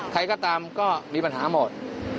ใครก็ตามก็มีปัญหาหมด